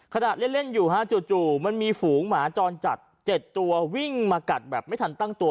ขณะเล่นอยู่ฮะจู่มันมีฝูงหมาจรจัด๗ตัววิ่งมากัดแบบไม่ทันตั้งตัว